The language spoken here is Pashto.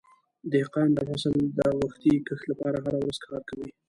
دهقان د فصل د وختي کښت لپاره هره ورځ کار کوي.